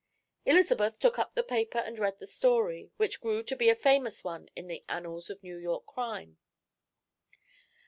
Elizabeth took up the paper and read the story, which grew to be a famous one in the annals of New York crime.